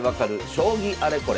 将棋あれこれ」。